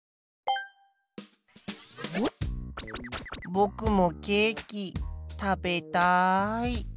ぼくもケーキ食べたい。